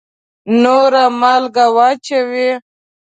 نوره مالګه واچوئ